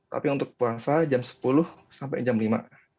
tapi untuk puasa jam sepuluh sampai jam lima